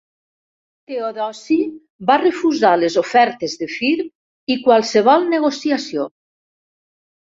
Teodosi va refusar les ofertes de Firm i qualsevol negociació.